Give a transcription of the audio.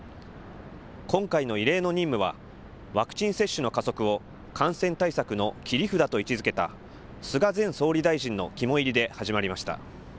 今回の異例の任務は、ワクチン接種の加速を感染対策の切り札と位置づけた、菅前総理大臣の肝煎りで始まりました。